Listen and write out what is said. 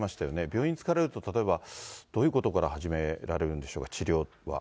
病院に着かれると、例えばどういうことから始められるんでしょうか、治療は。